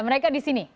mereka di sini